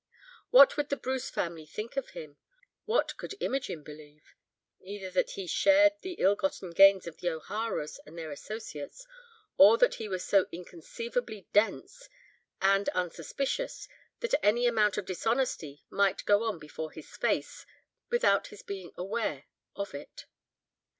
What would the Bruce family think of him? What could Imogen believe? Either that he shared the ill gotten gains of the O'Haras and their associates, or that he was so inconceivably dense, and unsuspicious that any amount of dishonesty might go on before his face, without his being aware of it.